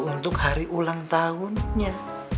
untuk hari ulang tahunnya